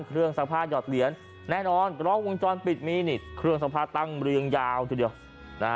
ซักผ้าหยอดเหรียญแน่นอนกล้องวงจรปิดมีนี่เครื่องซักผ้าตั้งเรืองยาวทีเดียวนะฮะ